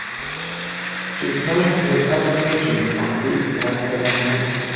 She was known for her publications on group psychoanalysis.